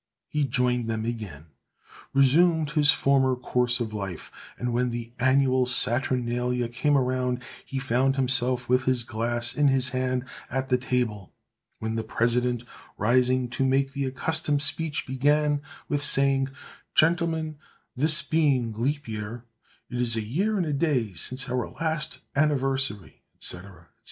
He joined them again, resumed his former course of life, and when the annual saturnalia came round, he found himself with his glass in his hand at the table—when the president, rising to make the accustomed speech, began with saying, "Gentlemen, this being leap year, it is a year and a day since our last anniversary," &c., &c.